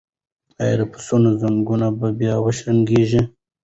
ایا د پسونو زنګونه به بیا وشرنګیږي؟